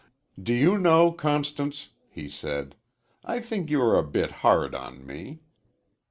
"Do you know, Constance," he said, "I think you are a bit hard on me."